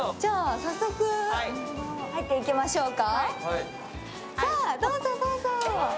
早速、入っていきましょうか。